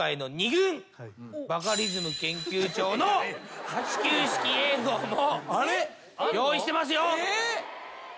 バカリズム研究長の始球式映像も用意してますよ。